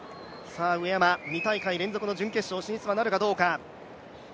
上山、２大会連続の準決勝進出はなるかどうか。